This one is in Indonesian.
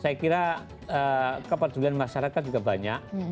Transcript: saya kira kepedulian masyarakat juga banyak